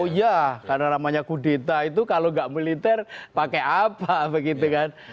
oh ya karena namanya kudeta itu kalau nggak militer pakai apa begitu kan